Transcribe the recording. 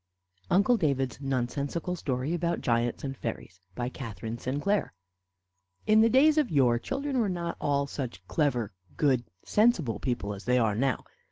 UNCLE DAVID'S NONSENSICAL STORY ABOUT GIANTS AND FAIRIES By KATHERINE SINCLAIR In the days of yore children were not all such clever, good, sensible people as they are now.